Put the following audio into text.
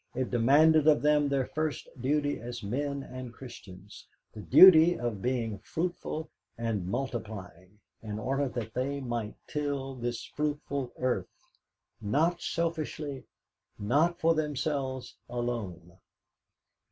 It demanded of them their first duty as men and Christians, the duty of being fruitful and multiplying, in order that they might till this fruitful earth, not selfishly, not for themselves alone.